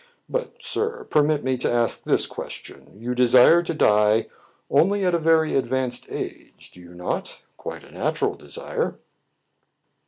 But, sir, permit me to ask this question : you desire to die only at a very advanced age, do you not.^ — quite a natural desire."